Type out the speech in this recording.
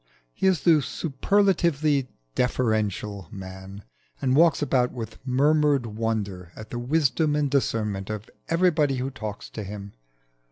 He is the superlatively deferential man, and walks about with murmured wonder at the wisdom and discernment of everybody who talks to him.